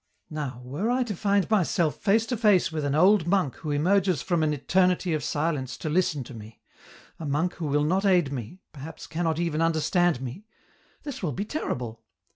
" Now, were I to find myself face to face with an old monk who emerges from an eternity of silence to listen to me, a monk who will not aid me, perhaps cannot even understand me, this will be terrible.